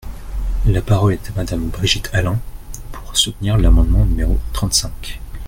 La parole est à Madame Brigitte Allain, pour soutenir l’amendement numéro trente-cinq.